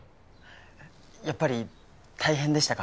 やっぱり大変でしたか？